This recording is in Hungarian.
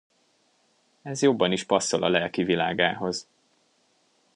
Ez jobban is passzol a lelkivilágához.